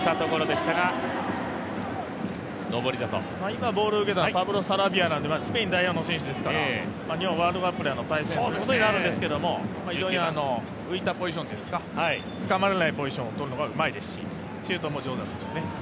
今ボールを受けたのはパブロ・サラビアなのでスペイン代表の選手ですから日本はワールドカップで対戦することになるんですけど、浮いたポジションというかつかまれないポジションを取るのがうまい選手ですしシュートもうまいですね。